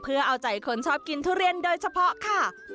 เพื่อเอาใจคนชอบกินทุเรียนโดยเฉพาะค่ะ